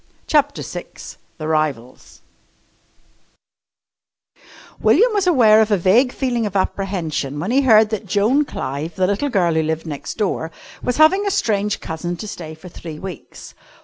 CHAPTER VI THE RIVALS William was aware of a vague feeling of apprehension when he heard that Joan Clive, the little girl who lived next door, was having a strange cousin to stay for three weeks.